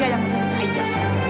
dia yang menculik aida